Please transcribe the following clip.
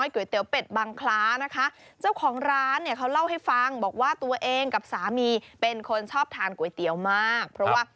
ก๋วยเตี๋ยวเป็ดบังคล้านะคะเจ้าของร้านเนี่ยเขาเล่าให้ฟังบอกว่าตัวเองกับสามีเป็นคนชอบทานก๋วยเตี๋ยวมากเพราะว่า